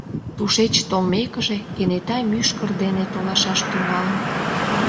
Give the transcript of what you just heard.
Тушеч толмекыже, кенета мӱшкыр дене толашаш тӱҥалын.